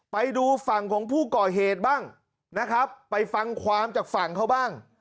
ไปดูฝั่งของผู้ก่อเหตุบ้างนะครับไปฟังความจากฝั่งเขาบ้าง